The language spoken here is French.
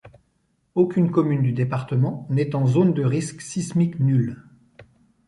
Aucune commune du département n’est en zone de risque sismique nul.